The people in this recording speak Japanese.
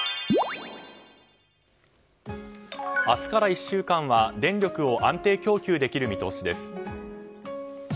明日から１週間は電力を安定供給できる見通しです。